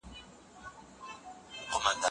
ستا نوې موضوع د شورا لخوا تایید سوي ده.